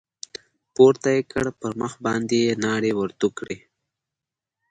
پورته يې كړ پر مخ باندې يې ناړې ورتو کړې.